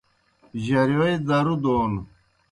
جرِیوئے درُو دون